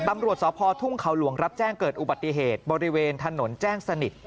ตำรวจสพทุ่งเขาหลวงรับแจ้งเกิดอุบัติเหตุบริเวณถนนแจ้งสนิท